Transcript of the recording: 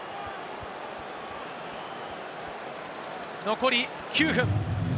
残り９分。